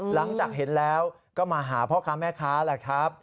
หลังจากเห็นแล้วก็มาหาพ่อค้าแม่ค้าแหละครับ